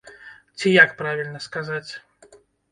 Ці як правільна сказаць?